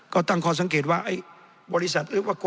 ก็ตั้งคอสังเกตว่า